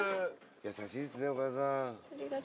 優しいですねお母さん。